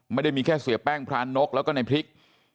ไม่ได้มีแค่เสียแป้งพรานกแล้วก็ในพริก